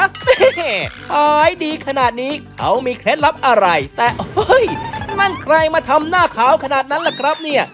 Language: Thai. แม่ขายดีขนาดนี้เขามีเคล็ดลับอะไรแต่เฮ้ยนั่นใครมาทำหน้าขาวขนาดนั้นล่ะครับเนี่ย